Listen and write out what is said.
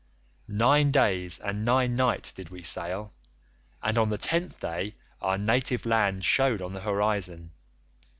"Nine days and nine nights did we sail, and on the tenth day our native land showed on the horizon.